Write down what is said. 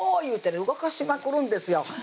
言うて動かしまくるんですよ